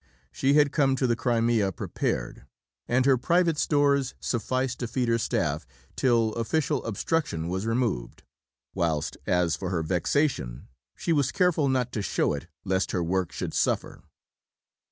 She had come to the Crimea prepared, and her private stores sufficed to feed her staff till official obstruction was removed; whilst as for her vexation, she was careful not to show it lest her work should suffer.